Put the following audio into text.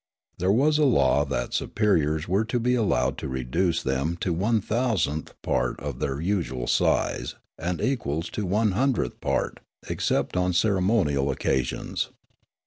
There was a law that superiors were to be allowed to reduce them to one thou.sandth part of their usual size, and equals to one hundredth part, except on ceremonial occasions.